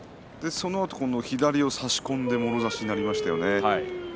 そのあと左を差し込んでもろ差しになりましてね。